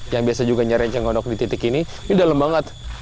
yang biasa juga nyari cenggondok di titik ini ini dalam banget